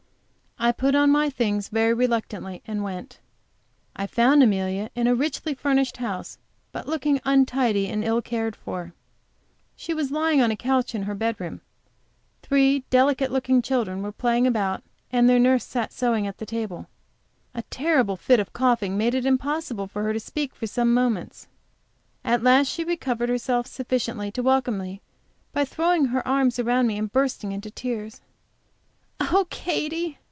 I put on my things very reluctantly, and went. I found Amelia in a richly furnished house, but looking untidy and ill cared for. She was lying on a couch in her bedroom; three delicate looking children were playing about, and their nurse sat sewing at the window. A terrible fit of coughing made it impossible for her to speak for some moments. At last she recovered herself sufficiently to welcome me, by throwing her arms around me and bursting into tears. "Oh, Katy!"